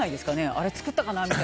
あれ作ったかな？とか。